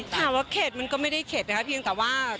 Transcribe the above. ถามว่าเข็ดมันก็ไม่ได้เข็ดนะคะเพียงแต่ว่า